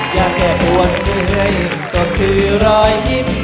แค่ปวดเมื่อยก็คือรอยยิ้ม